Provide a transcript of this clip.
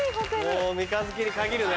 もう三日月に限るね。